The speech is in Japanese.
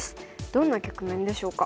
どんな局面でしょうか？